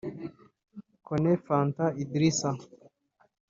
Kone Fanta Idrissa (Mali)